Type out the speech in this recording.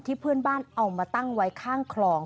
เพื่อนบ้านเอามาตั้งไว้ข้างคลอง